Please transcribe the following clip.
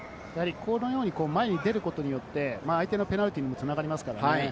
前に出ることによって、相手のペナルティーにも繋がりますからね。